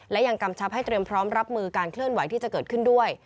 และยังกำชับให้เตรียมพร้อมรับมือการเคลื่อนไหวที่จะเกิดขึ้นด้วย